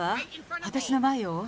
私の前よ。